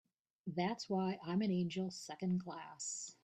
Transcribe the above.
That's why I'm an angel Second Class.